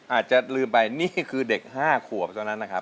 อาจจะลืมไปนี่คือเด็ก๕ขวบเท่านั้นนะครับ